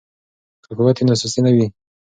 که قوت وي نو سستي نه وي.